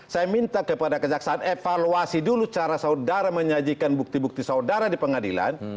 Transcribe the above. saya minta kepada kejaksaan evaluasi dulu cara saudara menyajikan bukti bukti saudara di pengadilan